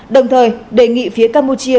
đồng thời đề nghị phía campuchia